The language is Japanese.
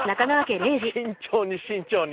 慎重に慎重に。